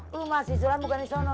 lo mah si sulam bukan di sono